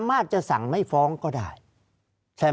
ภารกิจสรรค์ภารกิจสรรค์